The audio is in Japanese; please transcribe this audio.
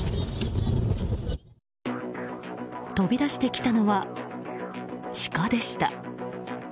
飛び出してきたのはシカでした。